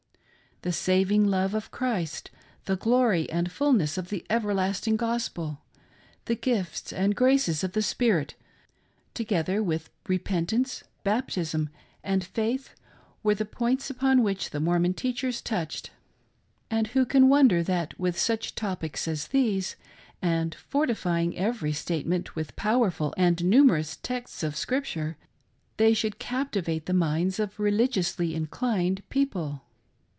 The saving love of Christ, the glory and fulness of the everlast ing Gospel, the gifts and graces of the Spirit, together with repentance, baptism, and faith, were the points upon which "THE OTHER DAUGHTER*' FROM FRANCE. 49 the Mormon teachers touched ; and who can wonder that with such topics as these, and fortifying every statement with powerful and numerous texts of Scripture, they should capti vate the minds of religiously inclined people